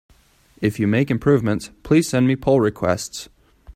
If you make improvements, please send me pull requests!